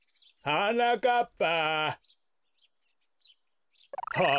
はなかっぱ！